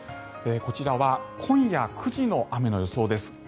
こちらは今夜９時の雨の予想です。